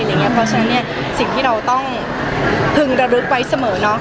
เพราะฉะนั้นสิ่งที่เราต้องพึงระลึกไว้เสมอ